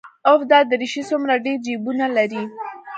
اوف دا دريشي څومره ډېر جيبونه لري.